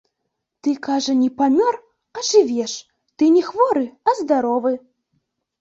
Ты, кажа, не памёр, а жывеш, ты не хворы, а здаровы!